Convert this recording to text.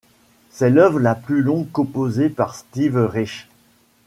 C'est l'œuvre la plus longue composée par Steve Reich.